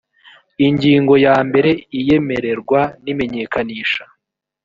ingingo ya mbere iyemererwa n’imenyekanisha